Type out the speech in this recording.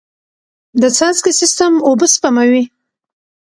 د څاڅکي سیستم اوبه سپموي.